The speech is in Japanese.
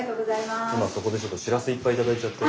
今そこでしらすいっぱい頂いちゃって。